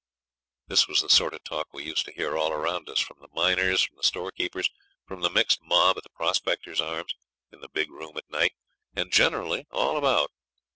This was the sort of talk we used to hear all round us from the miners, from the storekeepers, from the mixed mob at the Prospectors' Arms, in the big room at night, and generally all about.